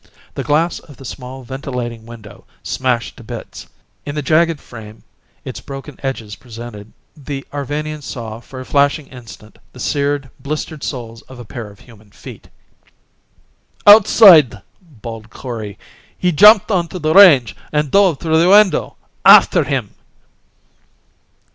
The glass of the small ventilating window smashed to bits. In the jagged frame its broken edges presented, the Arvanians saw for a flashing instant the seared, blistered soles of a pair of human feet. "Outside!" bawled Kori. "He jumped onto the range and dove through the window! After him!"